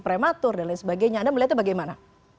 prematur dan lain sebagainya anda melihatnya bagaimana